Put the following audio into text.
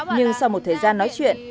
nhưng sau một thời gian nói chuyện